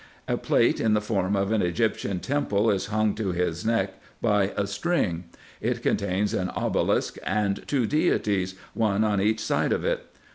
A plate in the form of an Egyptian temple is hung to his neck by a strinff. It contains an obelisk and two deities — one on each side of it.